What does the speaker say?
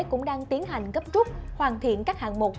cũng đang tiến hành gấp trúc hoàn thiện các hạng mục